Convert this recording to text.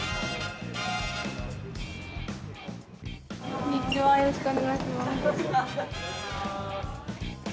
こんにちはよろしくお願いします。